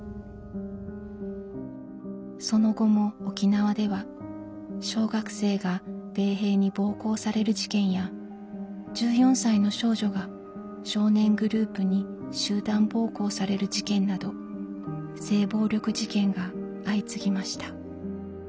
その後も沖縄では小学生が米兵に暴行される事件や１４歳の少女が少年グループに集団暴行される事件など性暴力事件が相次ぎました。